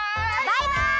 バイバイ！